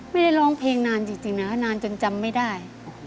ไม่ได้ร้องเพลงนานจริงนะนานจนจำไม่ได้